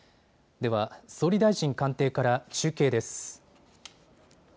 では、総理大臣官邸から中継です。